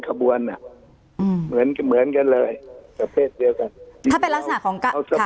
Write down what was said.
ถ้าเป็นลักษณะของกัาง